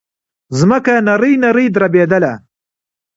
ځمکه نرۍ نرۍ دربېدله.